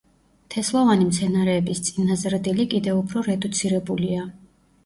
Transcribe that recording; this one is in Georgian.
თესლოვანი მცენარეების წინაზრდილი კიდევ უფრო რედუცირებულია.